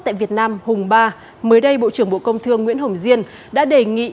tại việt nam hùng ba mới đây bộ trưởng bộ công thương nguyễn hồng diên đã đề nghị